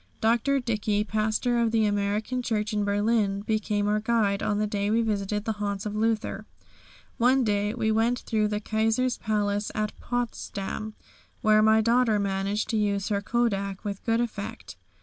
Dr. Dickey, Pastor of the American Church in Berlin, became our guide on the day we visited the haunts of Luther. One day we went through the Kaiser's Palace at Potsdam, where my daughter managed to use her kodak with good effect.